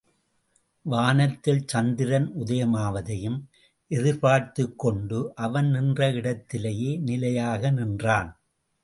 வானத்தில் சந்திரன் உதயமாவதையும் எதிர்பார்த்துக்கொண்டு, அவன் நின்ற இடத்திலேயே நிலையாக நின்றான்.